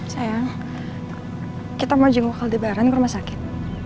sayang kita mau jenguk kaldebaran ke rumah sakit